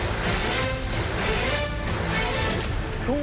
สวัสดีครับ